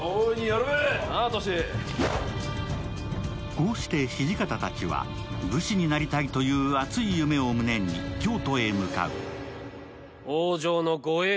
こうして土方たちは武士になりたいという熱い夢を胸に京都へ向かう。